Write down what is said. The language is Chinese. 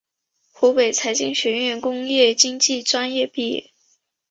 湖北财经学院工业经济专业毕业。